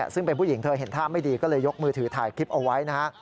ซึ่งเป็นผู้หญิงเธอเห็นท่าไม่ดีก็เลยยกมือถือถ่ายคลิปเอาไว้นะฮะ